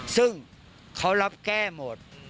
ซึ่งเขารับแก้หมด